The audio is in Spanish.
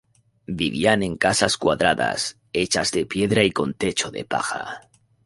Vivían en casas cuadradas, hechas de piedra y con techo de paja.